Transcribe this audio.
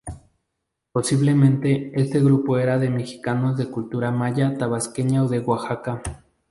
Posiblemente este grupo era de mexicanos de cultura Maya Tabasqueña o de Oaxaca.